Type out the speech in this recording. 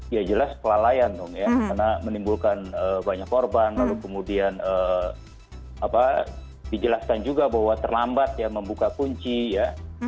ya jelas kelalaian dong ya karena menimbulkan banyak korban lalu kemudian dijelaskan juga bahwa terlambat ya membuka kunci ya